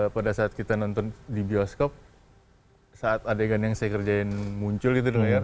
pada saat kita nonton di bioskop saat adegan yang saya kerjain muncul gitu loh ya